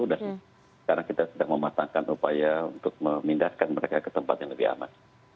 dan sekarang kita sedang mematangkan upaya untuk memindahkan mereka ke tempat yang lebih aman